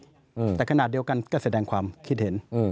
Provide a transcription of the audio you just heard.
อืมแต่ขณะเดียวกันก็แสดงความคิดเห็นอืม